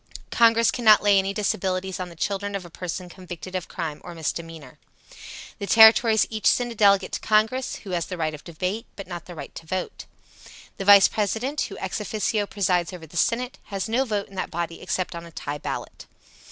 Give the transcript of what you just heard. Congress cannot lay any disabilities on the children of a person convicted of crime or misdemeanor. The Territories each send a delegate to Congress, who has the right of debate, but not the right to vote. The Vice President, who ex officio presides over the Senate, has no vote in that body except on a tie ballot.